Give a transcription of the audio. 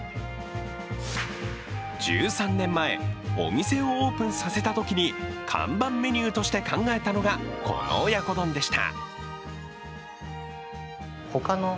１３年前、お店をオープンさせたときに看板メニューとして考えたのが、この親子丼でした。